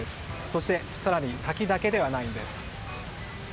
そして、更に滝だけではないんです。